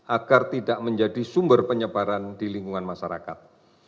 agar tidak menjadi sumber penyebaran di lingkungan masyarakat